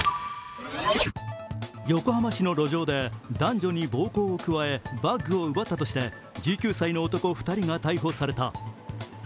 横浜市の路上で男女に暴行を加えバッグを奪ったとして１９歳の男２人が逮捕された。